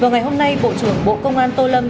ngày hôm nay bộ trưởng bộ công an tô lâm